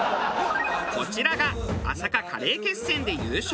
こちらが朝霞カレー決戦で優勝